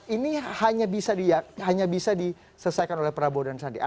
ini hanya bisa diselesaikan oleh prabowo dan sandia